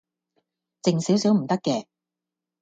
靜少少唔得嘅